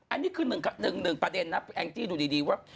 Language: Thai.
อันนี้คือหนึ่งประเด็นนะแองจี้ดูดีว่า